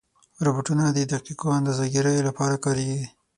روبوټونه د دقیقو اندازهګیرو لپاره کارېږي.